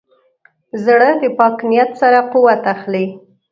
زړه د پاک نیت سره قوت اخلي.